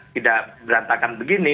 tidak berantakan begini